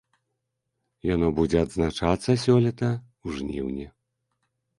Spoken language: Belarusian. Яно будзе адзначацца сёлета ў жніўні.